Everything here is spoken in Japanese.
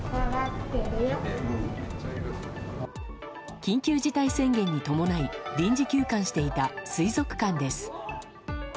緊急事態宣言に伴い臨時休館していた水族館です。